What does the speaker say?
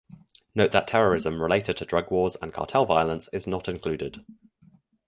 Note that terrorism related to drug wars and cartel violence is not included.